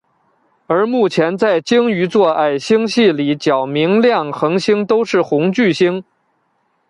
而目前在鲸鱼座矮星系里较明亮恒星都是红巨星。